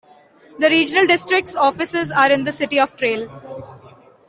The regional district's offices are in the city of Trail.